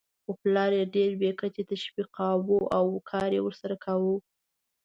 خو پلار یې ډېر بې کچې تشویقاوو او کار یې ورسره کاوه.